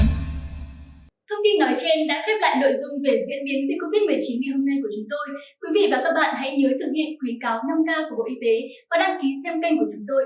thông tin nói trên đã khép lại nội dung về diễn biến dịch covid một mươi chín ngày hôm nay của chúng tôi